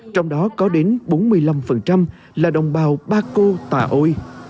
trong đó có đến bốn mươi năm là đồng bào ba cô tà ôi